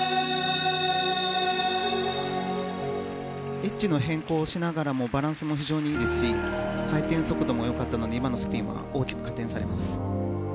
エッジの変更をしながらもバランスも非常にいいですし回転速度も良かったので今のスピンは大きく加点されます。